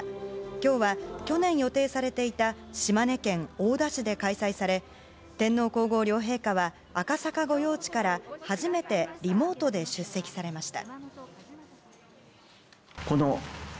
今日は、去年予定されていた島根県大田市で開催され天皇・皇后両陛下は赤坂御用地から初めてリモートで出席されました。